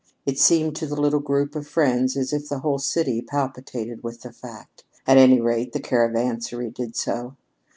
It seemed to the little group of friends as if the whole city palpitated with the fact. At any rate, the Caravansary did so.